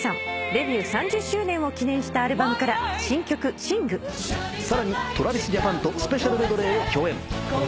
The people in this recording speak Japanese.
デビュー３０周年を記念したアルバムから新曲『Ｓｉｎｇ』さらにＴｒａｖｉｓＪａｐａｎとスペシャルメドレーを共演。